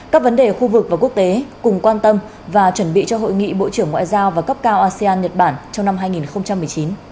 các vấn đề khu vực và quốc tế cùng quan tâm và chuẩn bị cho hội nghị bộ trưởng ngoại giao và cấp cao asean nhật bản trong năm hai nghìn một mươi chín